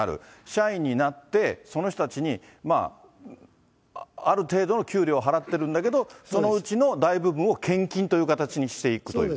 社員になって、その人たちにある程度の給料を払ってるんだけど、そのうちの大部分を献金という形にしていくという。